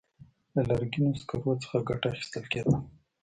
له لرګینو سکرو څخه ګټه اخیستل کېده.